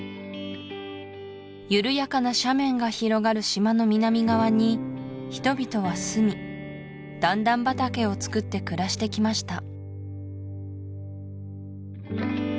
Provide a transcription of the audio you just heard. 緩やかな斜面が広がる島の南側に人々は住み段々畑を作って暮らしてきました